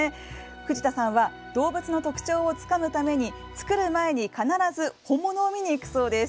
藤田さんは動物の特徴をつかむために作る前に必ず本物を見に行くそうです。